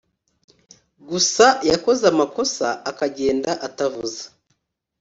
gusa yakoze amakosa akagenda atavuze